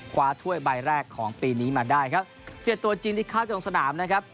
ถ้วยใบแรกของปีนี้มาได้ครับเสียตัวจริงที่เข้าตรงสนามนะครับ